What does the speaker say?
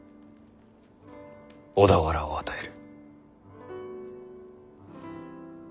小田原を与える。